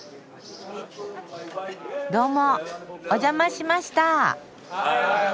どうもお邪魔しました。